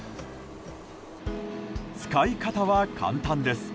使い方は簡単です。